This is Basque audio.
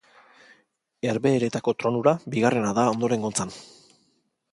Herbehereetako tronura bigarrena da ondorengotzan.